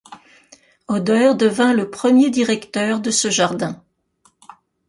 Oeder devint le premier directeur de ce jardin.